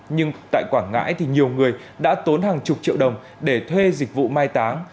nhưng tại quảng ngãi nhiều người đã tốn hàng chục triệu đồng để thuê dịch vụ may táng